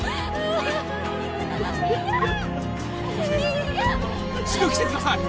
梨里杏！すぐ来てください！